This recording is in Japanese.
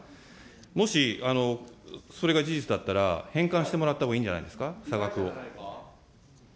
もしそれが事実だったら、返還してもらったほうがいいんじゃないですか、差額を。